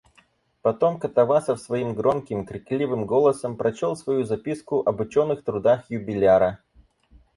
Потом Катавасов своим громким, крикливым голосом прочел свою записку об ученых трудах юбиляра.